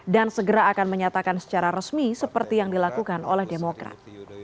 dan segera akan menyatakan secara resmi seperti yang dilakukan oleh demokrat